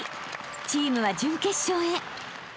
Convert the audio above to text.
チームは準決勝へ］